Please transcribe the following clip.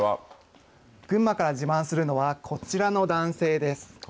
群馬から自慢するのはこちらの男性です。